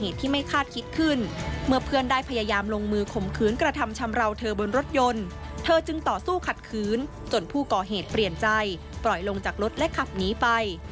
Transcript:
เธอจึงต่อสู้ขัดคืนจนผู้ก่อเหตุเปลี่ยนใจปล่อยลงจากรถและขับหนีไป